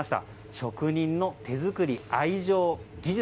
職人の手作り、愛情、技術。